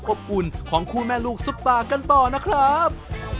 หนึ่งก็ใส่กระเทียมหน่อย